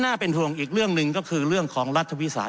เป็นห่วงอีกเรื่องหนึ่งก็คือเรื่องของรัฐวิสา